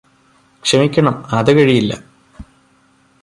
ക്ഷമിക്കണം അത് കഴിയില്ലാ